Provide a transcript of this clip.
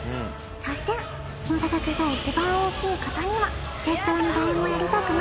そしてその差額が一番大きい方には絶対に誰もやりたくない